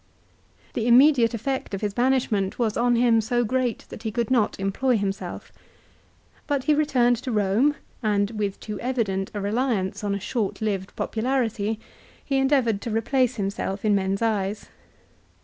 The immediate effect of his banishment was on him so great that he could not employ himself. But he returned to Eome, and, with too evident a reliance on a short lived popularity, he endeavoured to replace himself in men's eyes.